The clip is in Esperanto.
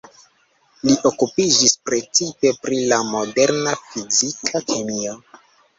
Li okupiĝis precipe pri la moderna fizika kemio.